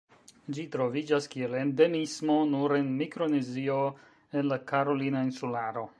Ĝi troviĝas kiel endemismo nur en Mikronezio en la Karolina insularo.